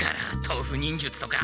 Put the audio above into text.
豆腐忍術とか。